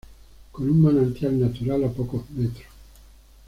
Con un manantial natural a pocos metros.